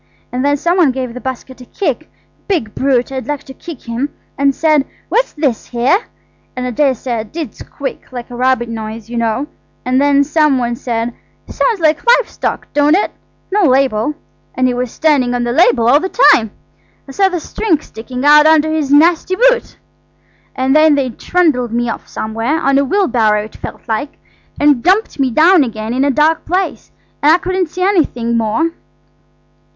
And then some one gave the basket a kick–big brute, I'd like to kick him!–and said, 'What's this here?' And I daresay I did squeak–like a rabbit noise, you know–and then some one said, 'Sounds like live stock, don't it? No label.' And he was standing on the label all the time. I saw the string sticking out under his nasty boot. And then they trundled me off somewhere, on a wheelbarrow it felt like, and dumped me down again in a dark place–and I couldn't see anything more."